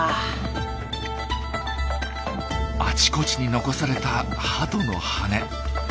あちこちに残されたハトの羽根。